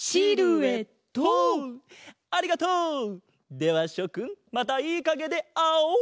ではしょくんまたいいかげであおう！